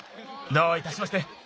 どういたしまして。